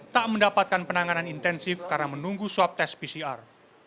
tak mendapatkan penanganan intensif karena menunggu swab tes pcr